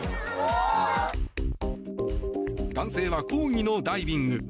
男性は抗議のダイビング。